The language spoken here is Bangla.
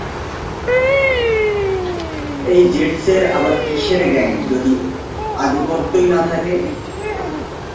এই জেটসের আবার কিসের গ্যাং যদি আধিপত্যই না থাকে?